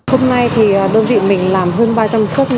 hôm nay thì đơn vị mình làm hơn ba trăm linh suốt súp gà